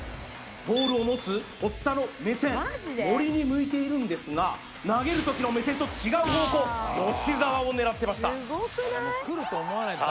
ボールを持つ堀田の目線森に向いているんですが投げる時の目線と違う方向吉澤を狙ってましたさあ